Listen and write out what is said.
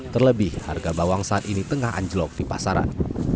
terlebih harga bawang saat ini tengah anjlok di pasaran